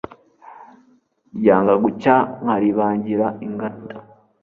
ryanga gucya nkalibangira ingata